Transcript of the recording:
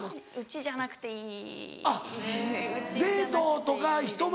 家じゃなくていい。